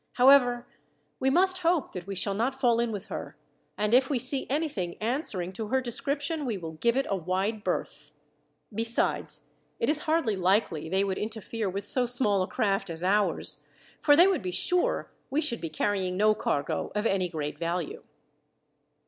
However, we must hope that we shall not fall in with her, and if we see anything answering to her description we will give it a wide berth. Besides, it is hardly likely they would interfere with so small a craft as ours, for they would be sure we should be carrying no cargo of any great value."